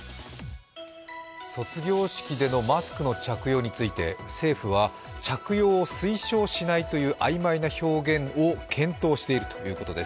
卒業式でのマスクの着用について政府は着用を推奨しないという曖昧な表現を検討しているということです。